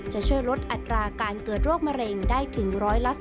จะช่วยลดอัตราการเกิดโรคมะเร็งได้ถึง๑๔